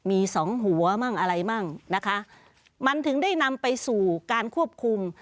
มีสองหัวมั่งอะไรมั่งนะคะมันถึงได้นำไปสู่การควบคุม